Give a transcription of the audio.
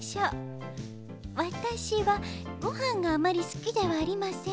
「わたしはごはんがあまりすきではありません。